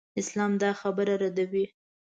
اسلام دا خبره ردوي.